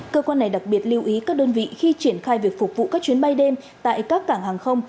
cơ quan này đặc biệt lưu ý các đơn vị khi triển khai việc phục vụ các chuyến bay đêm tại các cảng hàng không